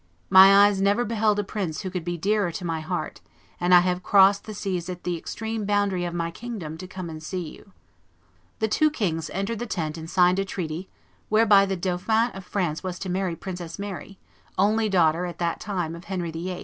My eyes never beheld a prince who could be dearer to my heart, and I have crossed the seas at the extreme boundary of my kingdom to come and see you." The two kings entered the tent and signed a treaty whereby the Dauphin of France was to marry Princess Mary, only daughter at that time of Henry VIII.